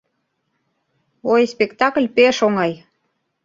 — Ой, спектакль пеш оҥай!